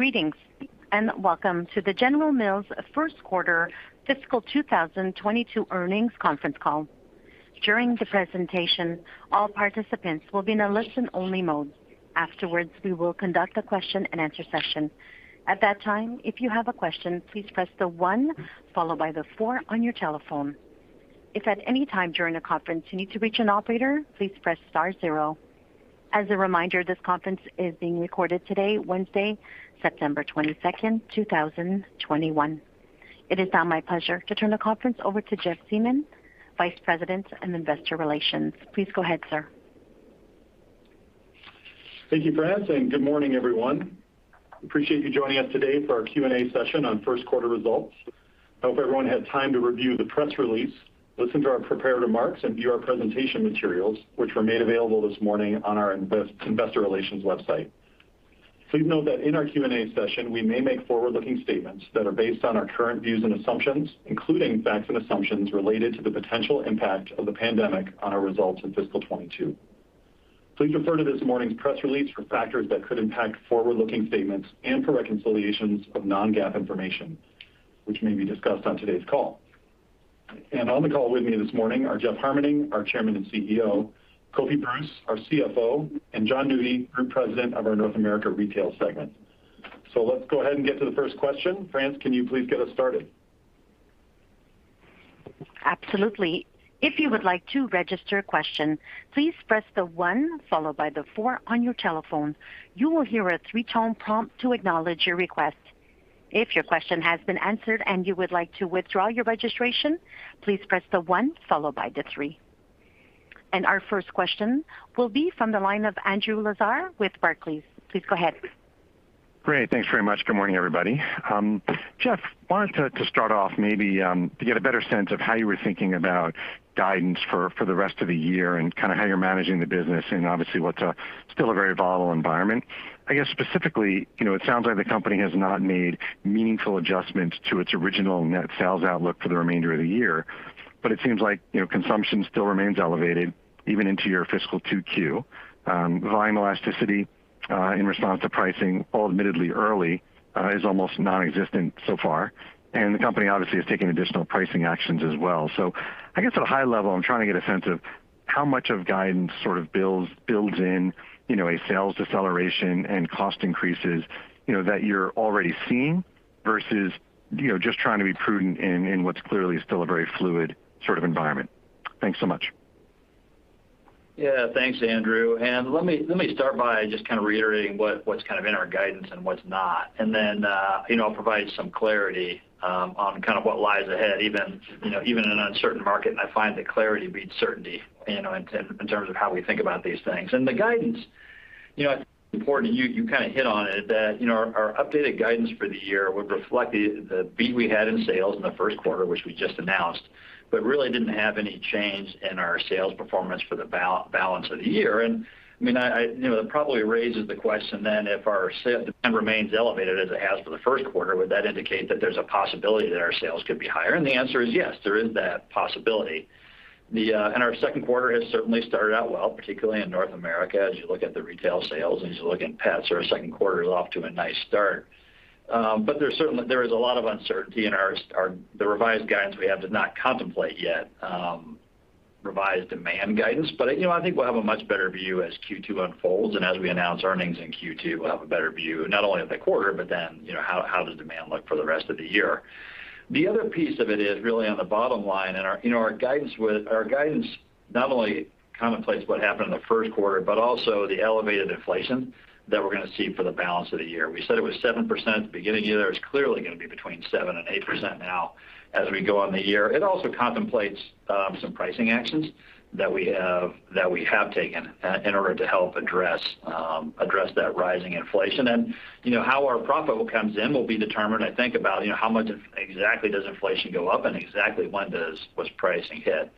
Greetings, and welcome to the General Mills first quarter fiscal 2022 earnings conference call. During the presentation, all participants will be in listen-only mode. Afterwards, we will conduct the question and answer session. At that time, if you have a question, please press the one followed by the four on your telephone. If at any time during the conference, you need to reach an operator, please press star zero. As a reminder, this conference is being recorded today, Wednesday, September 22nd, 2021. It is now my pleasure to turn the conference over to Jeff Siemon, Vice President, Investor Relations. Please go ahead, sir. Thank you, Frances, and good morning, everyone. Appreciate you joining us today for our Q&A session on first quarter results. I hope everyone had time to review the press release, listen to our prepared remarks, and view our presentation materials, which were made available this morning on our investor relations website. Please note that in our Q&A session, we may make forward-looking statements that are based on our current views and assumptions, including facts and assumptions related to the potential impact of the pandemic on our results in fiscal 2022. Please refer to this morning's press release for factors that could impact forward-looking statements and for reconciliations of non-GAAP information, which may be discussed on today's call. On the call with me this morning are Jeff Harmening, our chairman and CEO, Kofi Bruce, our CFO, and Jonathan J. Nudi, group president of our North America Retail Segment. Let's go ahead and get to the first question. Frances, can you please get us started? Absolutely. If you would like to register a question, please press the one followed by the four on your telephone. You will hear a three-tone prompt to acknowledge your request. If your question has been answered and you would like to withdraw your registration, please press the one followed by the three. Our first question will be from the line of Andrew Lazar with Barclays. Please go ahead. Great. Thanks very much. Good morning, everybody. Jeff, I wanted to start off maybe to get a better sense of how you were thinking about guidance for the rest of the year and kind of how you're managing the business in obviously what's still a very volatile environment. I guess specifically, it sounds like the company has not made meaningful adjustments to its original net sales outlook for the remainder of the year, but it seems like consumption still remains elevated even into your fiscal 2Q. Volume elasticity in response to pricing, all admittedly early, is almost nonexistent so far. The company obviously has taken additional pricing actions as well. I guess at a high level, I'm trying to get a sense of how much of guidance sort of builds in a sales deceleration and cost increases that you're already seeing versus just trying to be prudent in what's clearly still a very fluid sort of environment. Thanks so much. Yeah. Thanks, Andrew. Let me start by just kind of reiterating what's kind of in our guidance and what's not. I'll provide some clarity on kind of what lies ahead, even in an uncertain market. I find that clarity beats certainty in terms of how we think about these things. The guidance, it's important, you kind of hit on it, that our updated guidance for the year would reflect the beat we had in sales in the first quarter, which we just announced, but really didn't have any change in our sales performance for the balance of the year. It probably raises the question then, if our demand remains elevated as it has for the 1st quarter, would that indicate that there's a possibility that our sales could be higher? The answer is yes, there is that possibility. Our second quarter has certainly started out well, particularly in North America, as you look at the retail sales and as you look in pets, our second quarter is off to a nice start. There is a lot of uncertainty, and the revised guidance we have does not contemplate yet revised demand guidance. I think we'll have a much better view as Q2 unfolds, and as we announce earnings in Q2, we'll have a better view not only of the quarter, but then, how does demand look for the rest of the year. The other piece of it is really on the bottom line, and our guidance not only contemplates what happened in the first quarter, but also the elevated inflation that we're going to see for the balance of the year. We said it was 7% at the beginning of the year. It's clearly going to be between 7% and 8% now as we go on the year. It also contemplates some pricing actions that we have taken in order to help address that rising inflation. How our profit comes in will be determined, I think, about how much exactly does inflation go up and exactly when does pricing hit.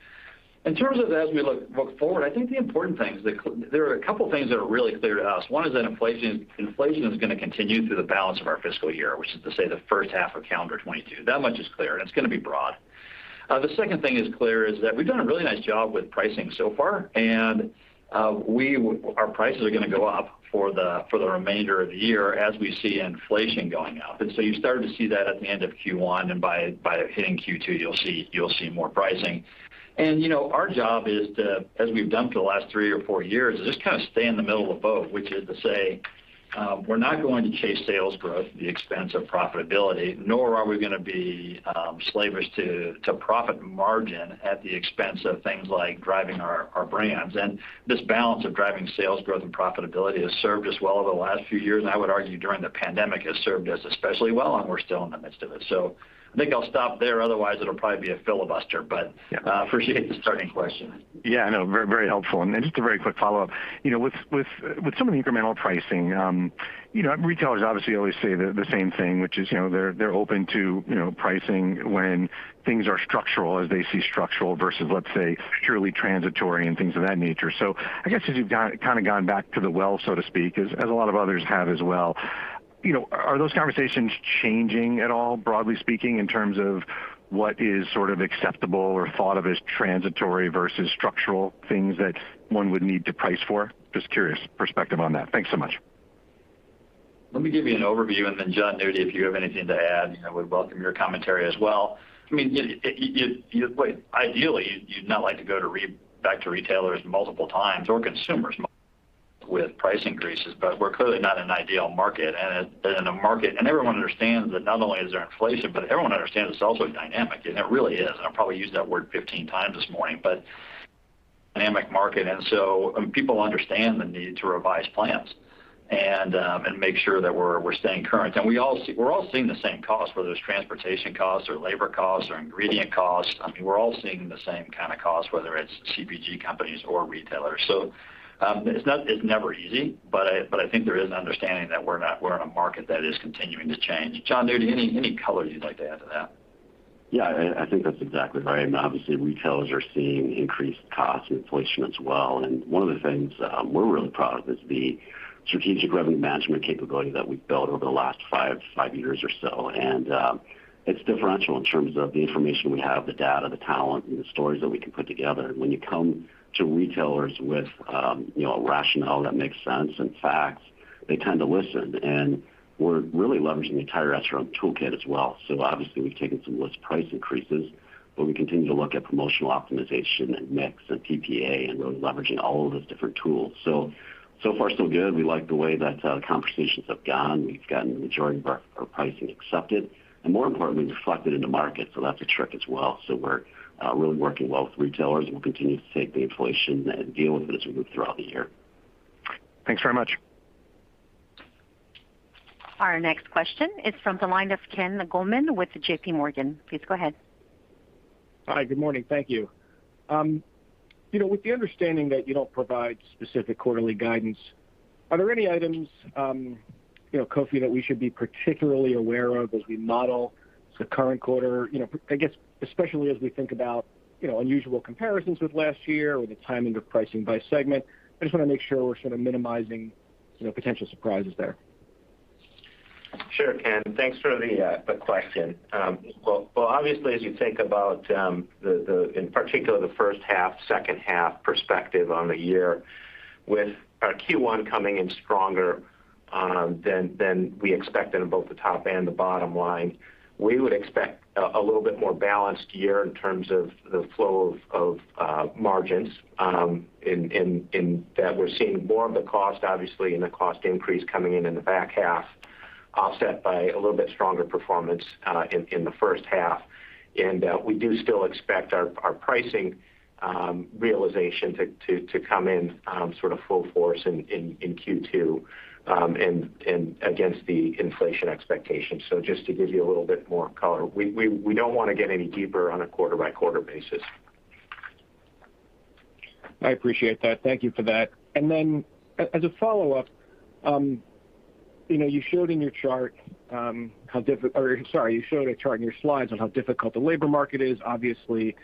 In terms of as we look forward, I think the important thing is that there are a couple things that are really clear to us. One is that inflation is going to continue through the balance of our fiscal year, which is to say, the first half of calendar 2022. That much is clear, and it's going to be broad. The second thing is clear is that we've done a really nice job with pricing so far, and our prices are going to go up for the remainder of the year as we see inflation going up. You started to see that at the end of Q1, and by hitting Q2, you'll see more pricing. Our job is to, as we've done for the last three or four years, is just kind of stay in the middle of the boat, which is to say, we're not going to chase sales growth at the expense of profitability, nor are we going to be slavish to profit margin at the expense of things like driving our brands. This balance of driving sales growth and profitability has served us well over the last few years, and I would argue during the pandemic, has served us especially well, and we're still in the midst of it. I think I'll stop there, otherwise it'll probably be a filibuster, but appreciate the starting question. Yeah, no, very helpful. Just a very quick follow-up. With some of the incremental pricing, retailers obviously always say the same thing, which is they're open to pricing when things are structural, as they see structural versus, let's say, purely transitory and things of that nature. I guess as you've kind of gone back to the well, so to speak, as a lot of others have as well, are those conversations changing at all, broadly speaking, in terms of what is sort of acceptable or thought of as transitory versus structural things that one would need to price for? Just curious perspective on that. Thanks so much. Let me give you an overview, and then Jonathan J. Nudi, if you have anything to add, I would welcome your commentary as well. Ideally, you'd not like to go back to retailers multiple times, or consumers, with price increases. We're clearly not in an ideal market. Everyone understands that not only is there inflation, but everyone understands it's also dynamic, and it really is. I'll probably use that word 15x this morning, but dynamic market. People understand the need to revise plans and make sure that we're staying current. We're all seeing the same cost, whether it's transportation costs or labor costs or ingredient costs. We're all seeing the same kind of costs, whether it's CPG companies or retailers. It's never easy, but I think there is an understanding that we're in a market that is continuing to change. Jonathan J. Nudi, any color you'd like to add to that? Yeah, I think that's exactly right. Obviously, retailers are seeing increased costs with inflation as well. One of the things that we're really proud of is the strategic revenue management capability that we've built over the last five years or so. It's differential in terms of the information we have, the data, the talent, and the stories that we can put together. When you come to retailers with a rationale that makes sense and facts, they tend to listen. We're really leveraging the entire SRM toolkit as well. Obviously we've taken some list price increases, but we continue to look at promotional optimization and mix and PPA, and we're leveraging all of those different tools. So far so good. We like the way that conversations have gone. We've gotten the majority of our pricing accepted and more importantly, reflected in the market. That's a trick as well. We're really working well with retailers, and we'll continue to take the inflation and deal with it as we move throughout the year. Thanks very much. Our next question is from the line of Ken Goldman with JPMorgan. Please go ahead. Hi. Good morning. Thank you. With the understanding that you don't provide specific quarterly guidance, are there any items, Kofi, that we should be particularly aware of as we model the current quarter? I guess especially as we think about unusual comparisons with last year or the timing of pricing by segment. I just want to make sure we're sort of minimizing potential surprises there. Sure, Ken. Thanks for the question. Well, obviously, as you think about, in particular the first half, second half perspective on the year with our Q1 coming in stronger than we expected in both the top and the bottom line, we would expect a little bit more balanced year in terms of the flow of margins, in that we're seeing more of the cost, obviously, and the cost increase coming in in the back half offset by a little bit stronger performance in the first half. We do still expect our pricing realization to come in sort of full force in Q2, and against the inflation expectations. Just to give you a little bit more color. We don't want to get any deeper on a quarter-by-quarter basis. I appreciate that. Thank you for that. As a follow-up, you showed a chart in your slides on how difficult the labor market is. Obviously,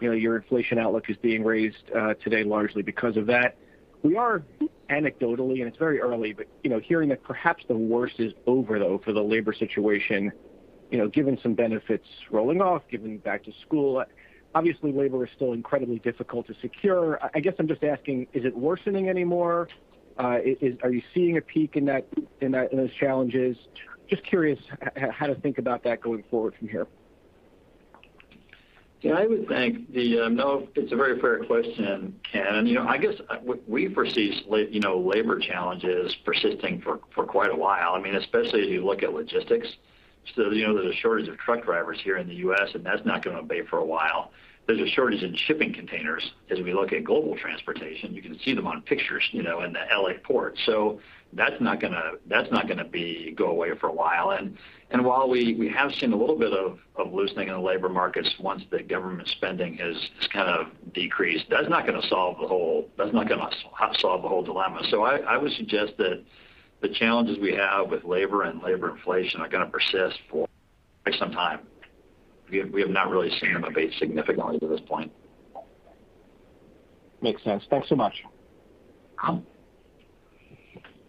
your inflation outlook is being raised today largely because of that. We are anecdotally, and it's very early, but hearing that perhaps the worst is over, though, for the labor situation, given some benefits rolling off, given back to school. Obviously, labor is still incredibly difficult to secure. I guess I'm just asking, is it worsening anymore? Are you seeing a peak in those challenges? Just curious how to think about that going forward from here. Yeah. No, it's a very fair question, Ken. I guess we foresee labor challenges persisting for quite a while. Especially as you look at logistics. There's a shortage of truck drivers here in the U.S., and that's not going to abate for a while. There's a shortage in shipping containers as we look at global transportation. You can see them on pictures in the L.A. port. That's not going to go away for a while. While we have seen a little bit of loosening in the labor markets once the government spending has kind of decreased, that's not going to solve the whole dilemma. I would suggest that the challenges we have with labor and labor inflation are going to persist for quite some time. We have not really seen them abate significantly to this point. Makes sense. Thanks so much.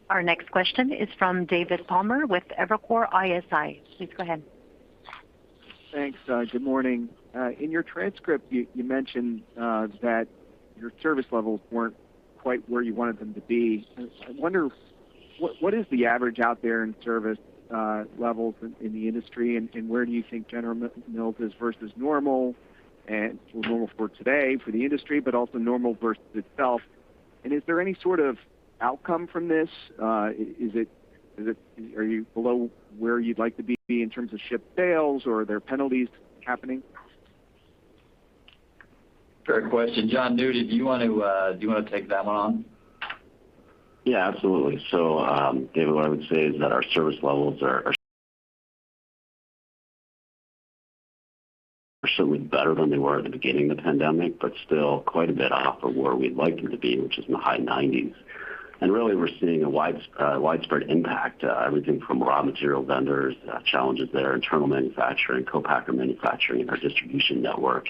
Our next question is from David Palmer with Evercore ISI. Please go ahead. Thanks. Good morning. In your transcript, you mentioned that your service levels weren't quite where you wanted them to be. I wonder, what is the average out there in service levels in the industry, and where do you think General Mills is versus normal for today for the industry, but also normal versus itself? Is there any sort of outcome from this? Are you below where you'd like to be in terms of shipped sales or are there penalties happening? Great question. Jonathan J. Nudi, do you want to take that one on? Yeah, absolutely. David, what I would say is that our service levels are certainly better than they were at the beginning of the pandemic, but still quite a bit off of where we'd like them to be, which is in the high 90%s. And really, we're seeing a widespread impact, everything from raw material vendors, challenges there, internal manufacturing, co-packer manufacturing, our distribution network,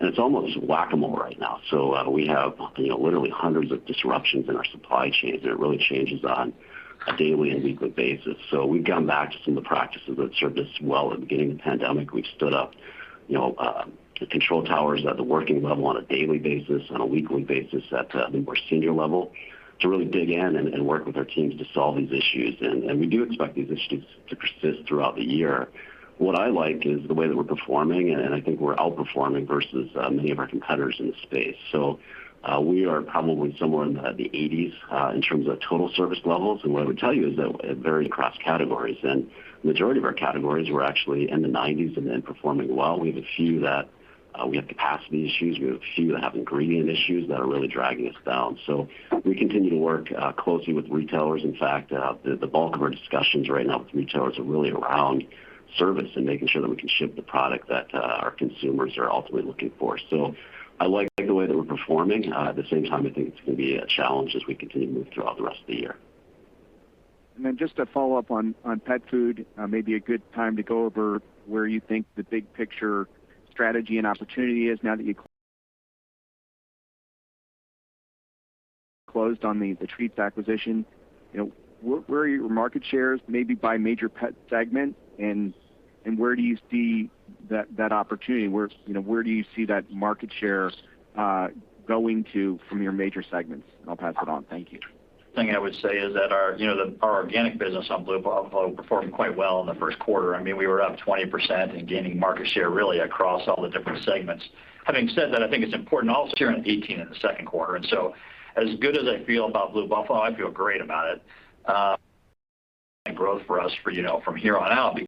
and it's almost Whac-A-Mole right now. We have literally hundreds of disruptions in our supply chain, and it really changes on a daily and weekly basis. We've gone back to some of the practices that served us well in the beginning of the pandemic. We've stood up the control towers at the working level on a daily basis, on a weekly basis at the more senior level, to really dig in and work with our teams to solve these issues. We do expect these issues to persist throughout the year. What I like is the way that we're performing, and I think we're outperforming versus many of our competitors in the space. We are probably somewhere in the 80%s in terms of total service levels. What I would tell you is that it varied across categories. The majority of our categories were actually in the 90%s and performing well. We have a few that we have capacity issues. We have a few that have ingredient issues that are really dragging us down. We continue to work closely with retailers. In fact, the bulk of our discussions right now with retailers are really around service and making sure that we can ship the product that our consumers are ultimately looking for. I like the way that we're performing. At the same time, I think it's going to be a challenge as we continue to move throughout the rest of the year. Just to follow up on pet food, maybe a good time to go over where you think the big picture strategy and opportunity is now that you closed on the treats acquisition. Where are your market shares, maybe by major pet segment, and where do you see that opportunity? Where do you see that market share going to from your major segments? I'll pass it on. Thank you. The thing I would say is that our organic business on Blue Buffalo performed quite well in the first quarter. We were up 20% and gaining market share really across all the different segments. Having said that, I think it's important also in the second quarter, as good as I feel about Blue Buffalo, I feel great about it. Growth for us from here on out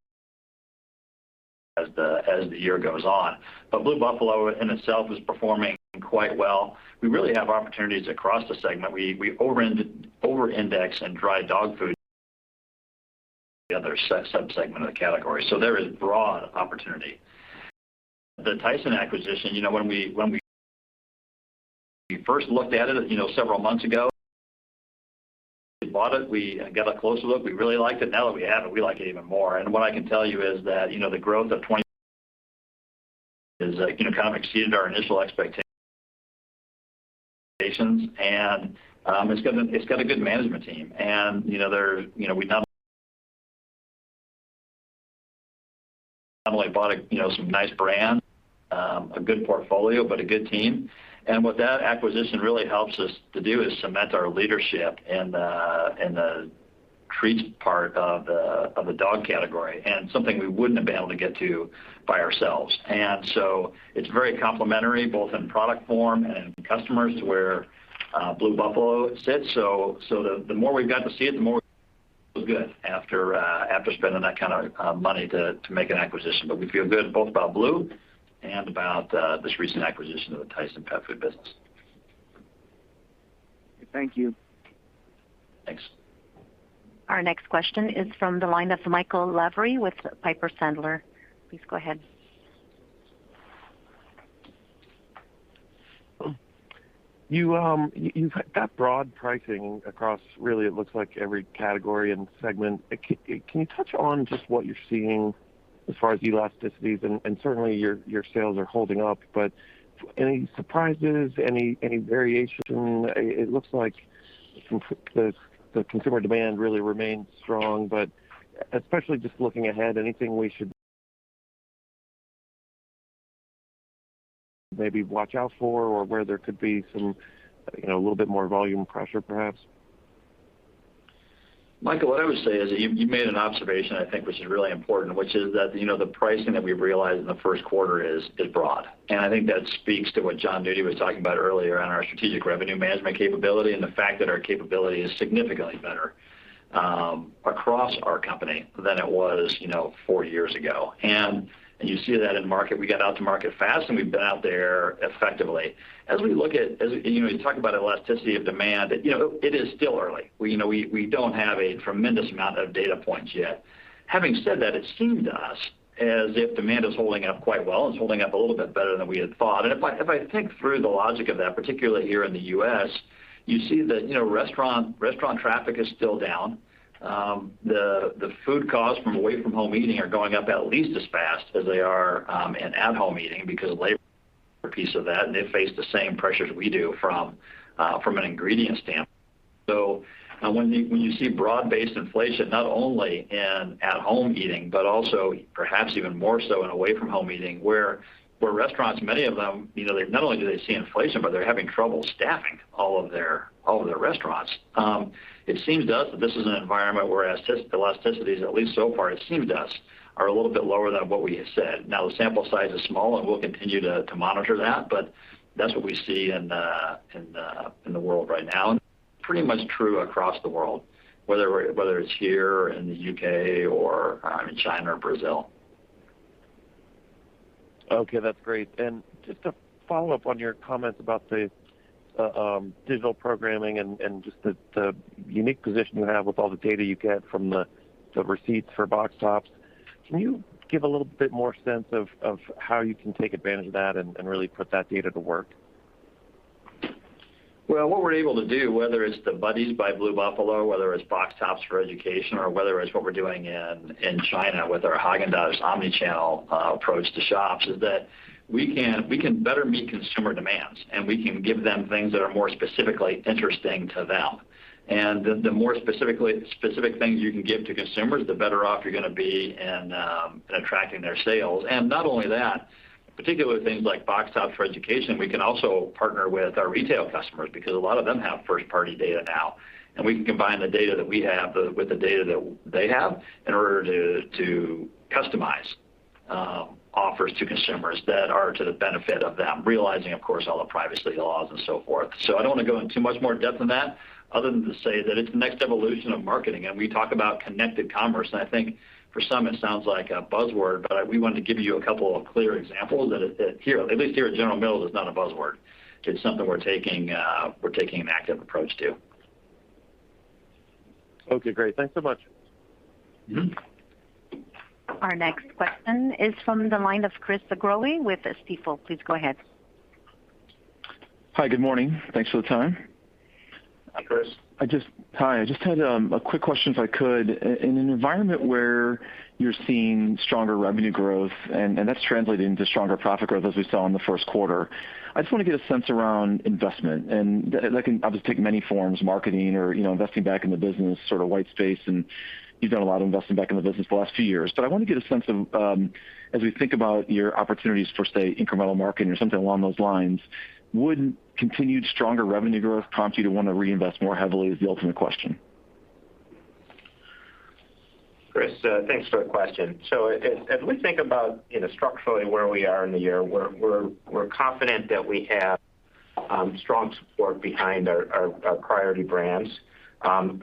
as the year goes on. Blue Buffalo in itself is performing quite well. We really have opportunities across the segment. We over-index in dry dog food sub-segment of the category. There is broad opportunity. The Tyson Foods acquisition, when we first looked at it several months ago, we bought it, we got a closer look. We really liked it. Now that we have it, we like it even more. What I can tell you is that the growth of is kind of exceeded our initial expectations and it's got a good management team. We not only bought some nice brands, a good portfolio, but a good team. What that acquisition really helps us to do is cement our leadership in the treats part of the dog category and something we wouldn't have been able to get to by ourselves. It's very complementary, both in product form and in customers to where Blue Buffalo sits. The more we've got to see it, the more good after spending that kind of money to make an acquisition. We feel good both about Blue Buffalo and about this recent acquisition of the Tyson pet food business. Thank you. Thanks. Our next question is from the line of Michael Lavery with Piper Sandler. Please go ahead. You've got broad pricing across really it looks like every category and segment. Can you touch on just what you're seeing as far as elasticities? Certainly, your sales are holding up, but any surprises, any variation? It looks like the consumer demand really remains strong, but especially just looking ahead, anything we should maybe watch out for or where there could be a little bit more volume pressure, perhaps? Michael, what I would say is that you made an observation, I think, which is really important, which is that the pricing that we've realized in the first quarter is broad. I think that speaks to what Jonathan J. Nudi was talking about earlier on our strategic revenue management capability and the fact that our capability is significantly better across our company than it was four years ago. You see that in market. We got out to market fast, and we've been out there effectively. You talk about elasticity of demand, it is still early. We don't have a tremendous amount of data points yet. Having said that, it seemed to us as if demand is holding up quite well and is holding up a little bit better than we had thought. If I think through the logic of that, particularly here in the U.S., you see that restaurant traffic is still down. The food costs from away from home eating are going up at least as fast as they are in at-home eating because labor a piece of that, and they face the same pressures we do from an ingredient standpoint. When you see broad-based inflation, not only in at-home eating, but also perhaps even more so in away from home eating, where restaurants, many of them, not only do they see inflation, but they're having trouble staffing all of their restaurants. It seems to us that this is an environment where elasticities, at least so far it seems to us, are a little bit lower than what we had said. The sample size is small, and we'll continue to monitor that, but that's what we see in the world right now, and pretty much true across the world, whether it's here in the U.K. or in China or Brazil. Okay, that's great. Just to follow up on your comments about the digital programming and just the unique position you have with all the data you get from the receipts for Box Tops. Can you give a little bit more sense of how you can take advantage of that and really put that data to work? Well, what we're able to do, whether it's the Buddies by Blue Buffalo, whether it's Box Tops for Education, or whether it's what we're doing in China with our Häagen-Dazs omni-channel approach to shops, is that we can better meet consumer demands, and we can give them things that are more specifically interesting to them. The more specific things you can give to consumers, the better off you're going to be in attracting their sales. Not only that, particularly with things like Box Tops for Education, we can also partner with our retail customers because a lot of them have first-party data now, and we can combine the data that we have with the data that they have in order to customize offers to consumers that are to the benefit of them, realizing, of course, all the privacy laws and so forth. I don't want to go into much more depth than that, other than to say that it's the next evolution of marketing. We talk about connected commerce, and I think for some it sounds like a buzzword, but we wanted to give you a couple of clear examples that at least here at General Mills, it's not a buzzword. It's something we're taking an active approach to. Okay, great. Thanks so much. Our next question is from the line of Chris Growe with Stifel. Please go ahead. Hi, good morning. Thanks for the time. Hi, Chris. Hi. I just had a quick question, if I could. In an environment where you're seeing stronger revenue growth, and that's translating to stronger profit growth as we saw in the first quarter, I just want to get a sense around investment. That can obviously take many forms, marketing or investing back in the business, sort of white space, and you've done a lot of investing back in the business the last few years. I want to get a sense of, as we think about your opportunities for, say, incremental marketing or something along those lines, would continued stronger revenue growth prompt you to want to reinvest more heavily, is the ultimate question. Chris, thanks for the question. As we think about structurally where we are in the year, we're confident that we have strong support behind our priority brands.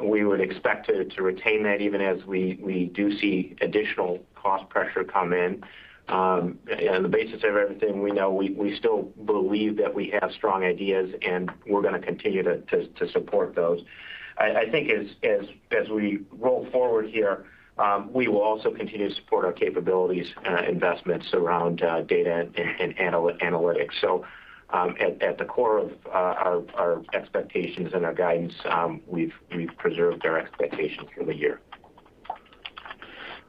We would expect to retain that even as we do see additional cost pressure come in. On the basis of everything we know, we still believe that we have strong ideas, and we're going to continue to support those. I think as we roll forward here, we will also continue to support our capabilities investments around data and analytics. At the core of our expectations and our guidance, we've preserved our expectations for the year.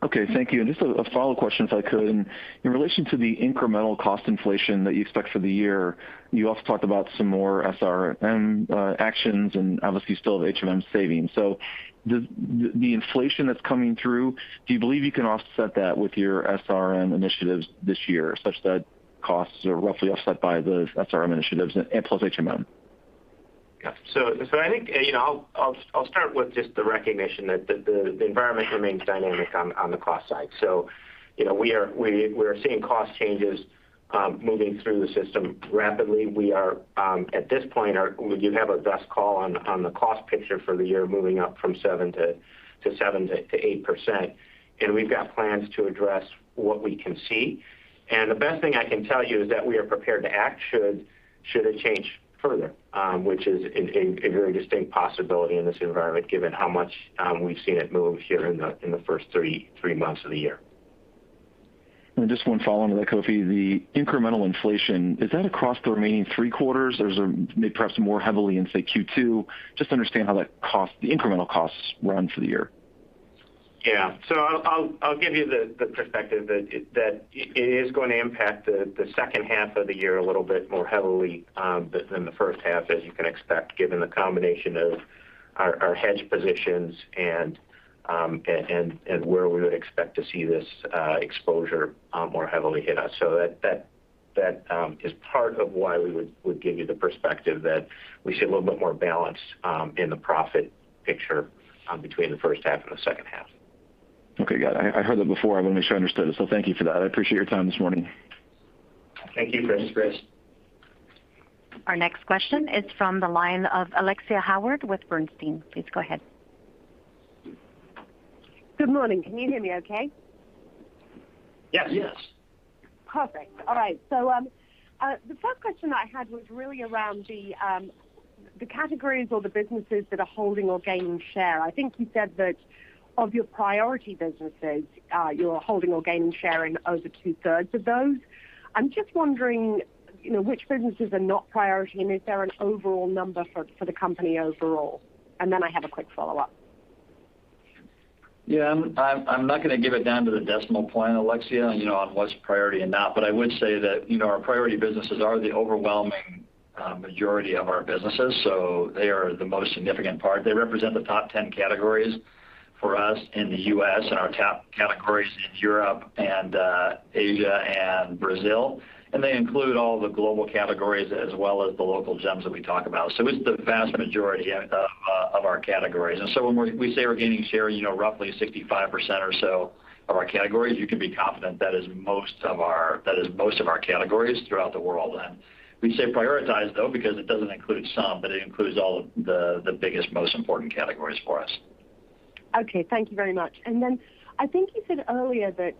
Okay. Thank you. Just a follow-up question, if I could. In relation to the incremental cost inflation that you expect for the year, you also talked about some more SRM actions and obviously still have HMM savings. The inflation that's coming through, do you believe you can offset that with your SRM initiatives this year, such that costs are roughly offset by the SRM initiatives and plus HMM? I think I'll start with just the recognition that the environment remains dynamic on the cost side. We are seeing cost changes moving through the system rapidly. At this point, we do have a best call on the cost picture for the year moving up from 7%-8%, and we've got plans to address what we can see. The best thing I can tell you is that we are prepared to act should it change further, which is a very distinct possibility in this environment given how much we've seen it move here in the first three months of the year. Just one follow-on to that, Kofi. The incremental inflation, is that across the remaining three quarters, or is it perhaps more heavily in, say, Q2? Just to understand how the incremental costs run for the year. Yeah. I'll give you the perspective that it is going to impact the second half of the year a little bit more heavily than the first half, as you can expect, given the combination of our hedge positions and where we would expect to see this exposure more heavily hit us. That is part of why we would give you the perspective that we see a little bit more balance in the profit picture between the first half and the second half. Okay, got it. I heard that before. I want to make sure I understood it. Thank you for that. I appreciate your time this morning. Thank you for this, Chris. Our next question is from the line of Alexia Howard with Bernstein. Please go ahead. Good morning. Can you hear me okay? Yes. Yes. Perfect. All right. The first question I had was really around the categories or the businesses that are holding or gaining share. I think you said that of your priority businesses, you're holding or gaining share in over two-thirds of those. I'm just wondering which businesses are not priority, and is there an overall number for the company overall? I have a quick follow-up. Yeah, I'm not going to give it down to the decimal point, Alexia, on what's priority and not. I would say that our priority businesses are the overwhelming majority of our businesses, so they are the most significant part. They represent the top 10 categories for us in the U.S. and our top categories in Europe and Asia and Brazil, and they include all the global categories as well as the local gems that we talk about. It's the vast majority of our categories. When we say we're gaining share, roughly 65% or so of our categories, you can be confident that is most of our categories throughout the world then. We say prioritized, though, because it doesn't include some, but it includes all of the biggest, most important categories for us. Okay, thank you very much. I think you said earlier that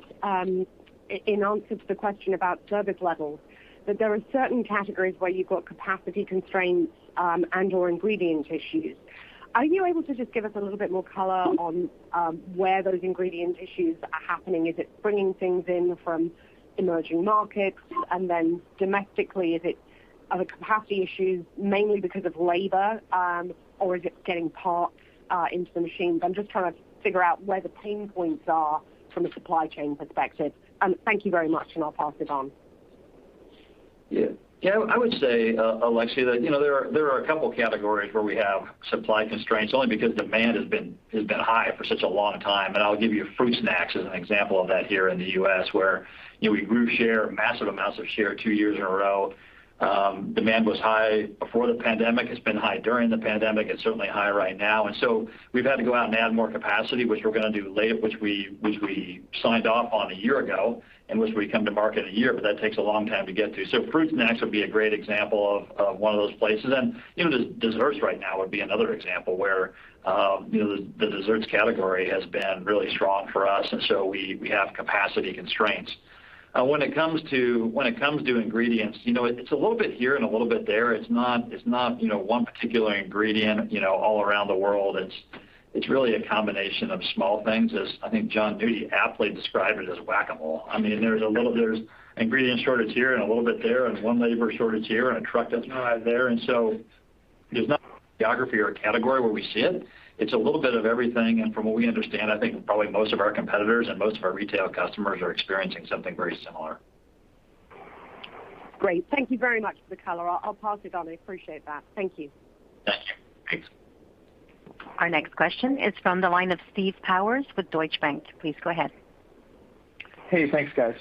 in answer to the question about service levels, that there are certain categories where you've got capacity constraints, and/or ingredient issues. Are you able to just give us a little bit more color on where those ingredient issues are happening? Is it bringing things in from emerging markets and then domestically, are the capacity issues mainly because of labor, or is it getting parts into the machines? I'm just trying to figure out where the pain points are from a supply chain perspective. Thank you very much, and I'll pass it on. Yeah. I would say, Alexia, that there are a couple categories where we have supply constraints, only because demand has been high for such a long time. I'll give you fruit snacks as an example of that here in the U.S., where we grew massive amounts of share two years in a row. Demand was high before the pandemic, it's been high during the pandemic, it's certainly high right now. We've had to go out and add more capacity, which we're going to do late, which we signed off on a year ago, and which we come to market a year, but that takes a long time to get to. Fruit snacks would be a great example of one of those places. The desserts right now would be another example where the desserts category has been really strong for us, and so we have capacity constraints. When it comes to ingredients, it's a little bit here and a little bit there. It's not one particular ingredient all around the world. It's really a combination of small things, as I think Jonathan J. Nudi aptly described it as Whac-A-Mole. There's ingredient shortage here and a little bit there, and one labor shortage here, and a truck that's not there. There's not a geography or a category where we see it. It's a little bit of everything. From what we understand, I think probably most of our competitors and most of our retail customers are experiencing something very similar. Great. Thank you very much for the color. I'll pass it on. I appreciate that. Thank you. Thanks. Our next question is from the line of Stephen Powers with Deutsche Bank. Please go ahead. Hey, thanks guys.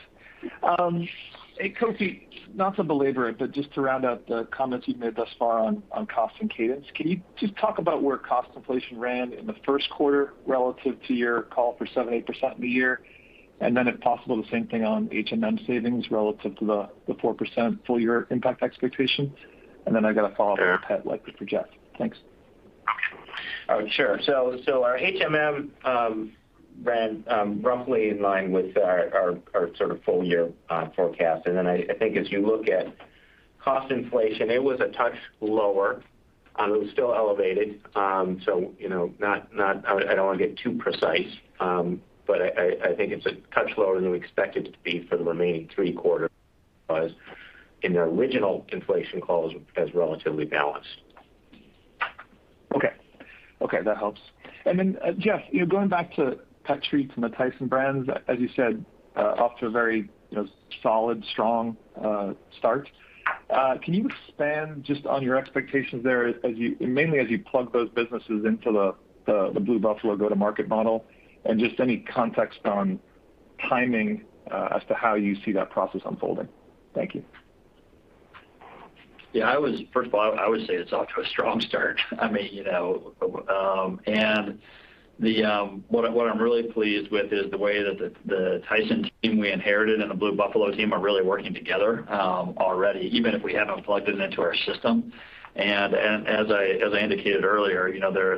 Hey, Kofi, not to belabor it, but just to round out the comments you've made thus far on cost and cadence, can you just talk about where cost inflation ran in the first quarter relative to your call for 7%-8% in the year? If possible, the same thing on HMM savings relative to the 4% full year impact expectations. I got a follow-up. I'd like for Jeff. Thanks. Sure. Our HMM savings ran roughly in line with our full year forecast. I think as you look at cost inflation, it was a touch lower. It was still elevated. I don't want to get too precise, but I think it's a touch lower than we expect it to be for the remaining three quarters, because in the original inflation calls as relatively balanced. Okay. That helps. Jeff, going back to Pet treats and the Tyson brands, as you said, off to a very solid, strong start. Can you expand just on your expectations there, mainly as you plug those businesses into the Blue Buffalo go-to-market model and just any context on timing, as to how you see that process unfolding. Thank you. Yeah. First of all, I would say it's off to a strong start. What I'm really pleased with is the way that the Tyson Foods team we inherited and the Blue Buffalo team are really working together already, even if we haven't plugged them into our system. As I indicated earlier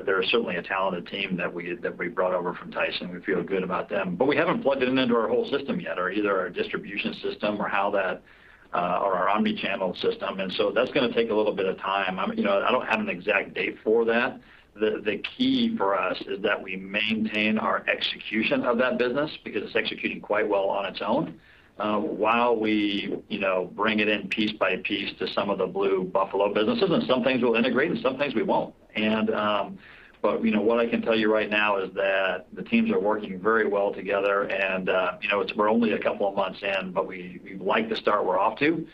they're certainly a talented team that we brought over from Tyson. We feel good about them. We haven't plugged them into our whole system yet, or either our distribution system or our omni-channel system. That's going to take a little bit of time. I don't have an exact date for that. The key for us is that we maintain our execution of that business because it's executing quite well on its own. While we bring it in piece by piece to some of the Blue Buffalo businesses and some things we'll integrate and some things we won't. What I can tell you right now is that the teams are working very well together and we're only a couple of months in, but we like the start we're off to.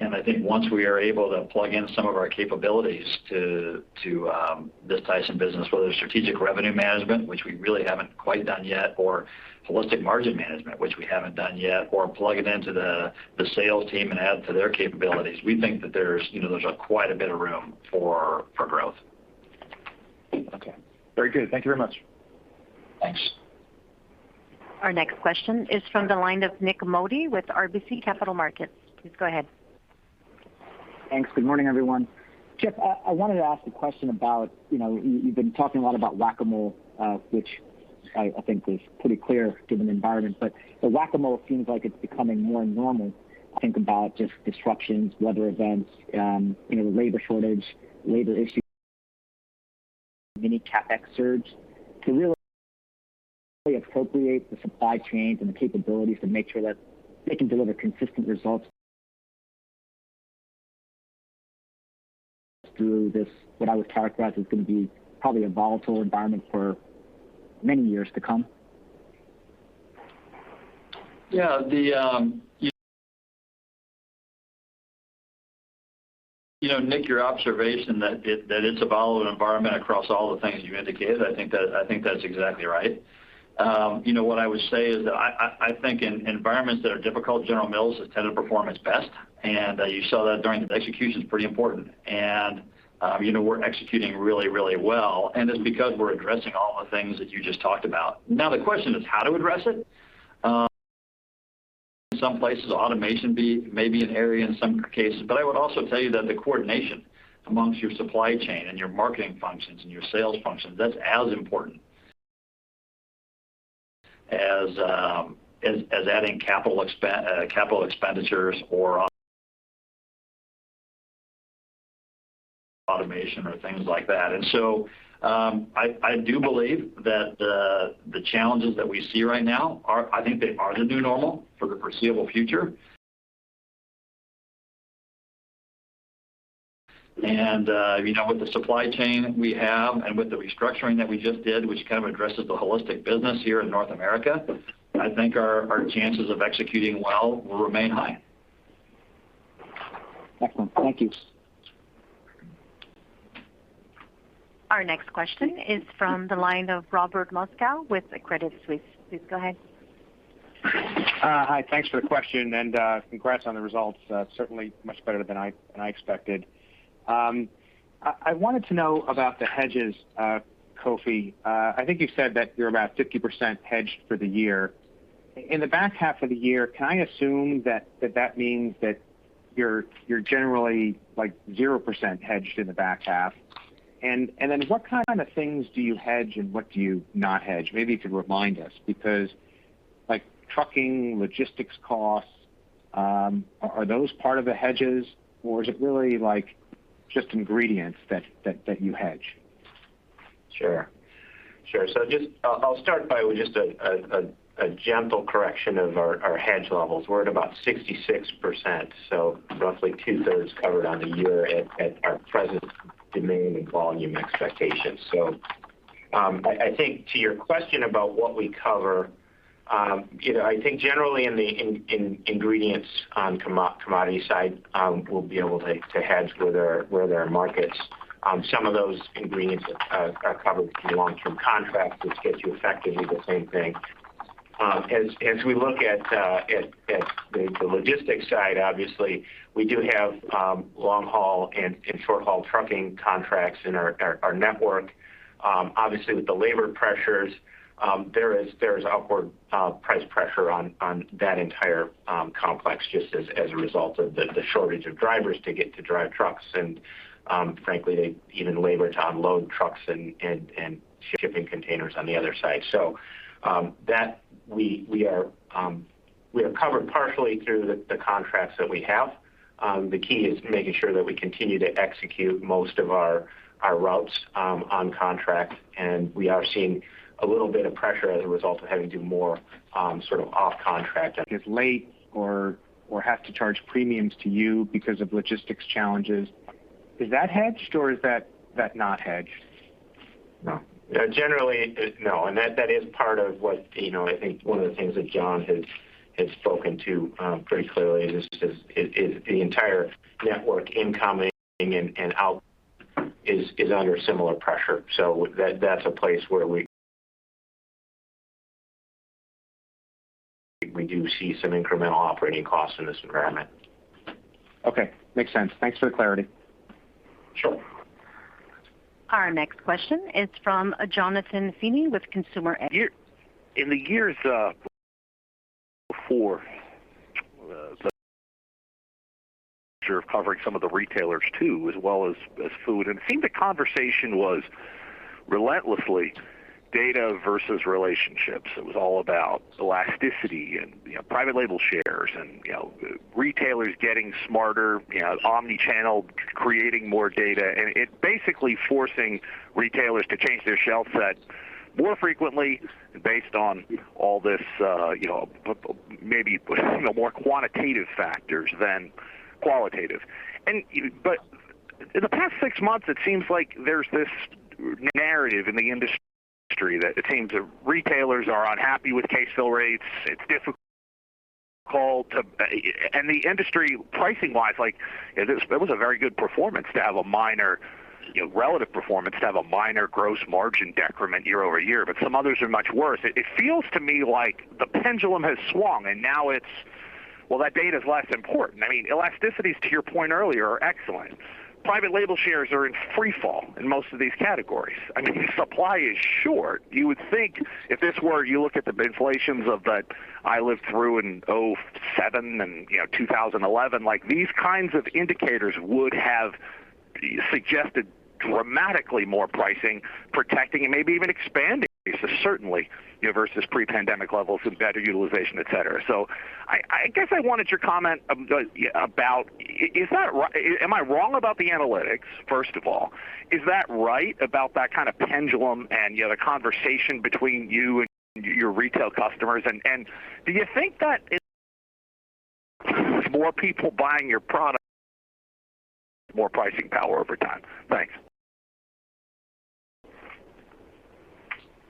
I think once we are able to plug in some of our capabilities to this Tyson business, whether it's Strategic Revenue Management, which we really haven't quite done yet, or Holistic Margin Management, which we haven't done yet, or plug it into the sales team and add to their capabilities, we think that there's quite a bit of room for growth. Okay. Very good. Thank you very much. Thanks. Our next question is from the line of Nik Modi with RBC Capital Markets. Please go ahead. Thanks. Good morning, everyone. Jeff, I wanted to ask a question about, you've been talking a lot about Whac-A-Mole, which I think is pretty clear given the environment, but the Whac-A-Mole seems like it's becoming more normal. I think about just disruptions, weather events, labor shortage, labor issues, mini CapEx surge to really appropriate the supply chains and the capabilities to make sure that they can deliver consistent results through this, what I would characterize as going to be probably a volatile environment for many years to come. Yeah. Nik, your observation that it's a volatile environment across all the things you indicated, I think that's exactly right. What I would say is that I think in environments that are difficult, General Mills has tended to perform its best, execution's pretty important. We're executing really well, and it's because we're addressing all the things that you just talked about. Now, the question is how to address it. In some places, automation may be an area in some cases. I would also tell you that the coordination amongst your supply chain and your marketing functions and your sales functions, that's as important as adding capital expenditures or automation or things like that. I do believe that the challenges that we see right now are, I think they are the new normal for the foreseeable future. With the supply chain we have and with the restructuring that we just did, which kind of addresses the holistic business here in North America, I think our chances of executing well will remain high. Excellent. Thank you. Our next question is from the line of Robert Moskow with Credit Suisse. Please go ahead. Hi. Thanks for the question and congrats on the results. Certainly much better than I expected. I wanted to know about the hedges, Kofi. I think you said that you're about 50% hedged for the year. In the back half of the year, can I assume that means that you're generally 0% hedged in the back half? What kind of things do you hedge and what do you not hedge? Maybe you could remind us, because trucking, logistics costs, are those part of the hedges or is it really just ingredients that you hedge? Sure. I'll start by with just a gentle correction of our hedge levels. We're at about 66%, so roughly two-thirds covered on the year at our present demand and volume expectations. I think to your question about what we cover, I think generally in ingredients on commodity side, we'll be able to hedge where there are markets. Some of those ingredients are covered through long-term contracts, which gets you effectively the same thing. As we look at the logistics side, obviously, we do have long-haul and short-haul trucking contracts in our network. Obviously, with the labor pressures, there is upward price pressure on that entire complex just as a result of the shortage of drivers to get to drive trucks and, frankly, even labor to unload trucks and shipping containers on the other side. That we have covered partially through the contracts that we have. The key is making sure that we continue to execute most of our routes on contract, and we are seeing a little bit of pressure as a result of having to do more sort of off contract. Is late or have to charge premiums to you because of logistics challenges. Is that hedged or is that not hedged? No. Generally, no. That is part of what I think one of the things that Jon has spoken to pretty clearly is the entire network incoming and out is under similar pressure. That's a place where we do see some incremental operating costs in this environment. Okay. Makes sense. Thanks for the clarity. Sure. Our next question is from Jonathan Feeney with Consumer Edge. In the years before Sure of covering some of the retailers too as well as food. It seemed the conversation was relentlessly data versus relationships. It was all about elasticity and private label shares and retailers getting smarter, omni-channel creating more data, and it basically forcing retailers to change their shelf sets more frequently based on all this maybe more quantitative factors than qualitative. In the past six months, it seems like there's this narrative in the industry that it seems retailers are unhappy with case fill rates. It's difficult. The industry pricing wise, it was a very good performance to have a minor relative performance, to have a minor gross margin decrement year-over-year. Some others are much worse. It feels to me like the pendulum has swung and now it's, well, that data's less important. Elasticities, to your point earlier, are excellent. Private label shares are in free fall in most of these categories. Supply is short. You would think if this were, you look at the inflations of the I lived through in 2007 and 2011, these kinds of indicators would have suggested dramatically more pricing protecting and maybe even expanding. Certainly, versus pre-pandemic levels and better utilization, et cetera. I guess I wanted your comment about am I wrong about the analytics, first of all? Is that right about that kind of pendulum and the conversation between you and your retail customers? Do you think that more people buying your product, more pricing power over time? Thanks.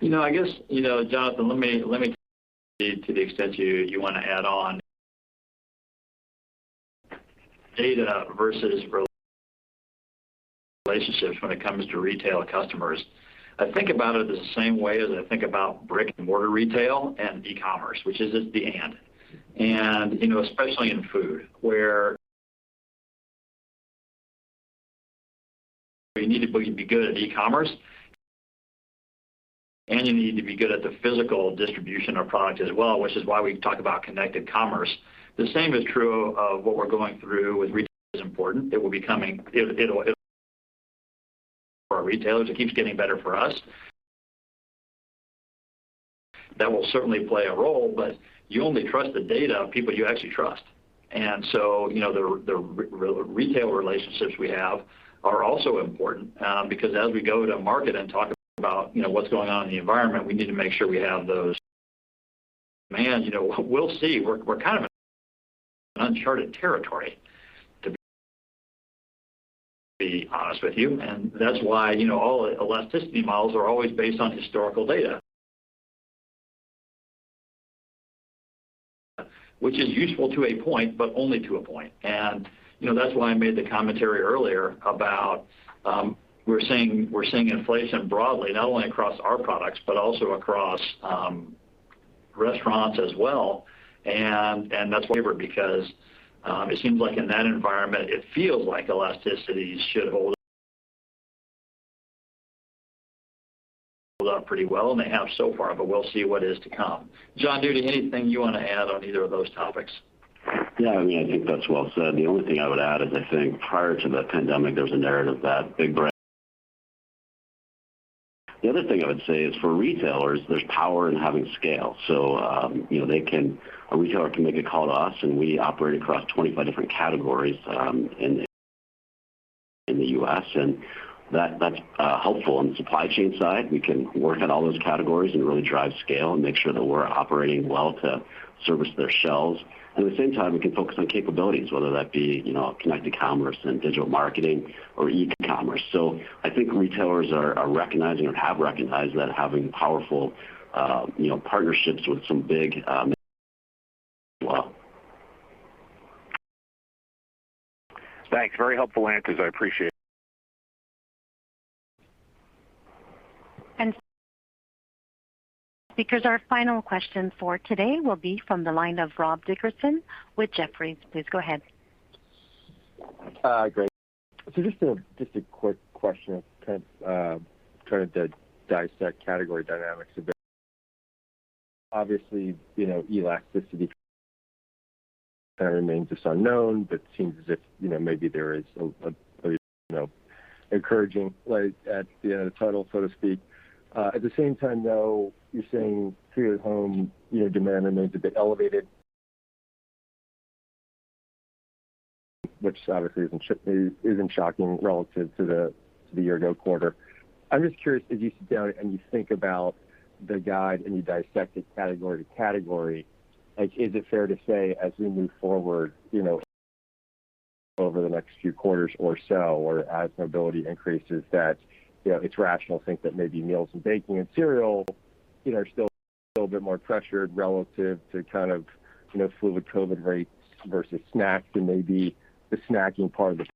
I guess, Jonathan, let me, to the extent you want to add on data versus relationships when it comes to retail customers. I think about it as the same way as I think about brick and mortar retail and e-commerce, which is it's the and. Especially in food where you need to be good at e-commerce, and you need to be good at the physical distribution of product as well, which is why we talk about connected commerce. The same is true of what we're going through with retail is important. It will be coming. It'll for our retailers, it keeps getting better for us. That will certainly play a role, but you only trust the data of people you actually trust. The retail relationships we have are also important because as we go to market and talk about what's going on in the environment, we need to make sure we have those. Man, we'll see. We're kind of in uncharted territory, to be honest with you, and that's why all elasticity models are always based on historical data. Which is useful to a point, but only to a point. That's why I made the commentary earlier about we're seeing inflation broadly, not only across our products, but also across restaurants as well. That's favored because it seems like in that environment, it feels like elasticity should hold up pretty well, and they have so far, but we'll see what is to come. Jonathan J. Nudi, anything you want to add on either of those topics? Yeah, I think that's well said. The only thing I would add is I think prior to the pandemic, there was a narrative that big brands. The other thing I would say is for retailers, there's power in having scale. A retailer can make a call to us, and we operate across 25 different categories in the U.S., and that's helpful. On the supply chain side, we can work on all those categories and really drive scale and make sure that we're operating well to service their shelves. At the same time, we can focus on capabilities, whether that be connected commerce and digital marketing or e-commerce. I think retailers are recognizing or have recognized that having powerful partnerships with some big as well. Thanks. Very helpful answers. I appreciate it. Speakers, our final question for today will be from the line of Rob Dickerson with Jefferies. Please go ahead. Great. Just a quick question of kind of trying to dissect category dynamics a bit. Obviously, elasticity remains unknown, but it seems as if maybe there is an encouraging light at the end of the tunnel, so to speak. At the same time, though, you're saying food at home demand remains a bit elevated, which obviously isn't shocking relative to the year ago quarter. I'm just curious, as you sit down and you think about the guide and you dissect it category to category, is it fair to say as we move forward over the next few quarters or so, or as mobility increases, that it's rational to think that maybe meals and baking and cereal are still a bit more pressured relative to kind of fluid COVID rates versus snacks and maybe the snacking part of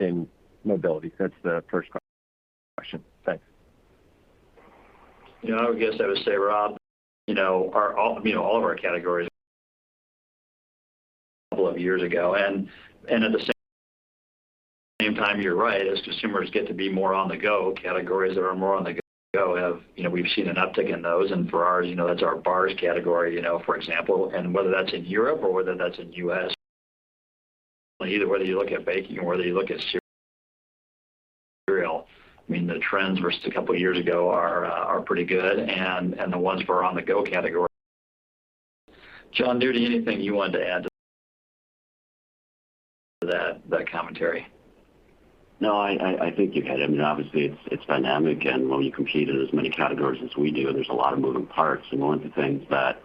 the mobility? That's the first question. Thanks. I guess I would say, Rob, all of our categories two years ago. At the same time, you're right, as consumers get to be more on the go, categories that are more on the go, we've seen an uptick in those. For ours, that's our bars category, for example. Whether that's in Europe or whether that's in U.S., either whether you look at baking or whether you look at cereal, the trends versus a two years ago are pretty good. The ones for on the go categories, Jonathan J. Nudi, anything you wanted to add to that commentary? I think you hit it. Obviously, it's dynamic, and when you compete in as many categories as we do, there's a lot of moving parts. One of the things that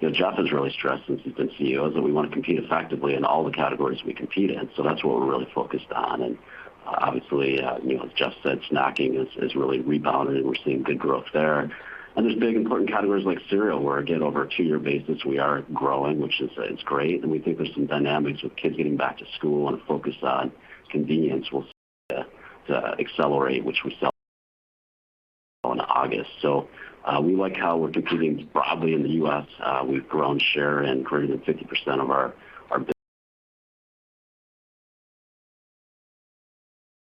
Jeff Harmening has really stressed since he's been CEO is that we want to compete effectively in all the categories we compete in. That's what we're really focused on. Obviously, as Jeff Harmening said, snacking is really rebounding, and we're seeing good growth there. There's big important categories like cereal, where again, over a two-year basis, we are growing, which is great, and we think there's some dynamics with kids getting back to school and a focus on convenience will start to accelerate, which we saw in August. We like how we're competing broadly in the U.S. We've grown share in greater than 50% of our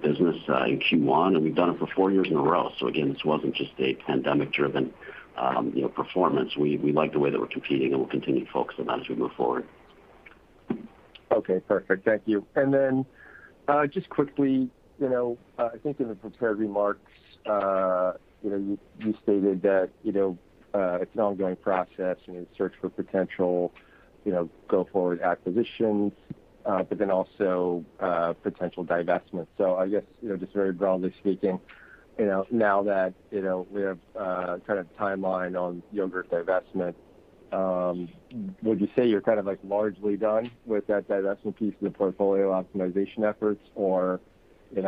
business in Q1, and we've done it for four years in a row. Again, this wasn't just a pandemic driven performance. We like the way that we're competing, and we'll continue to focus on that as we move forward. Okay, perfect. Thank you. Just quickly, I think in the prepared remarks you stated that it's an ongoing process in search for potential go forward acquisitions, also potential divestments. I guess, just very broadly speaking, now that we have a kind of timeline on yogurt divestment, would you say you're kind of largely done with that divestment piece of the portfolio optimization efforts? Yeah,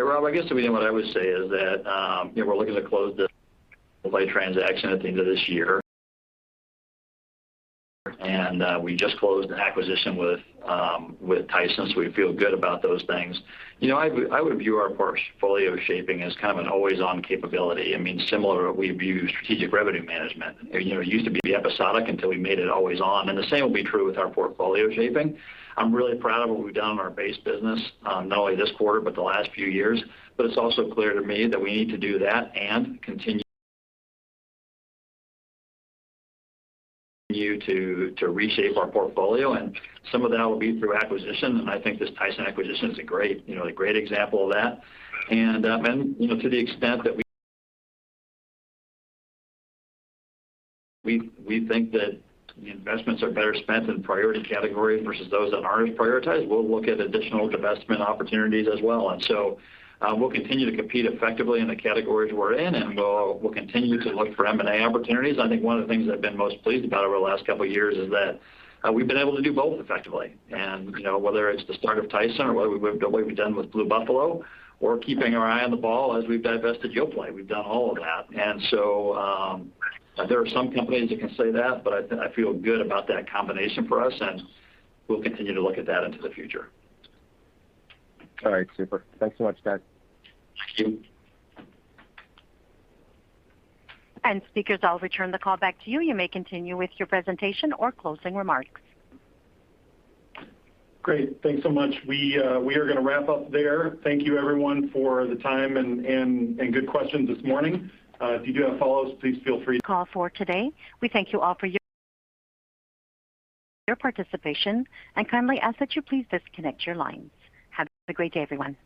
Rob, I guess to me what I would say is that we're looking to close the Yoplait transaction at the end of this year, and we just closed an acquisition with Tyson, so we feel good about those things. I would view our portfolio shaping as kind of an always on capability. Similar, we view strategic revenue management. It used to be episodic until we made it always on, and the same will be true with our portfolio shaping. I'm really proud of what we've done in our base business, not only this quarter, but the last few years. It's also clear to me that we need to do that and continue to reshape our portfolio, and some of that will be through acquisition, and I think this Tyson acquisition is a great example of that. To the extent that we think that the investments are better spent in priority categories versus those that aren't as prioritized, we'll look at additional divestment opportunities as well. We'll continue to compete effectively in the categories we're in, and we'll continue to look for M&A opportunities. I think one of the things I've been most pleased about over the last couple of years is that we've been able to do both effectively. Whether it's the start of Tyson or what we've done with Blue Buffalo or keeping our eye on the ball as we've divested Yoplait, we've done all of that. There are some companies that can say that, but I feel good about that combination for us, and we'll continue to look at that into the future. All right. Super. Thanks so much, guys. Thank you. Speakers, I'll return the call back to you. You may continue with your presentation or closing remarks. Great. Thanks so much. We are going to wrap up there. Thank you everyone for the time and good questions this morning. If you do have follow-ups, please feel free. Call for today. We thank you all for your participation, and kindly ask that you please disconnect your lines. Have a great day, everyone.